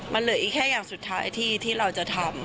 มันเหลืออีกแค่อย่างสุดท้ายที่เราจะทำ